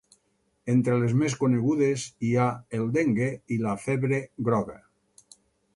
Entre les més conegudes hi ha el dengue i la febre groga.